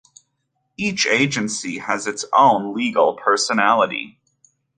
Each agency has its own legal personality.